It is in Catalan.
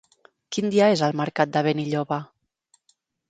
Quin dia és el mercat de Benilloba?